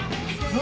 何？